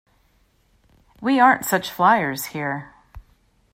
We aren't such flyers here.